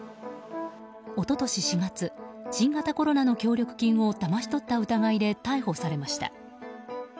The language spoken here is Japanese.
一昨年４月新型コロナの協力金をだまし取った疑いで逮捕されました。